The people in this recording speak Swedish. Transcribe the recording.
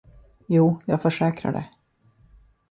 Jo, jag försäkrar det.